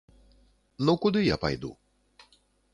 Ну куды я пайду?